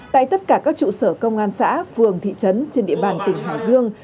tại tất cả các trụ sở công an xã phường thị trấn trên địa bàn tỉnh hải dương